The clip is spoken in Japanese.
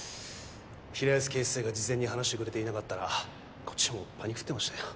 平安警視正が事前に話してくれていなかったらこっちもパニクっていましたよ。